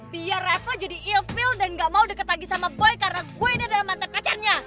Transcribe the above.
biar reva jadi ilfeel dan nggak mau deket lagi sama boy karena gue ini adalah mantan pacarnya